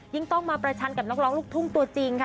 ต้องมาประชันกับนักร้องลูกทุ่งตัวจริงค่ะ